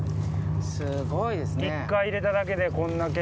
すごいですね。